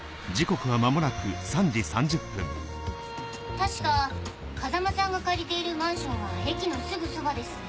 確か風間さんが借りているマンションは駅のすぐそばです。